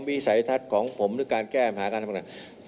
วิสัยทัศน์ของผมในการแก้มฐาคาธนาปางดาว